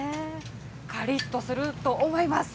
かりっとすると思います。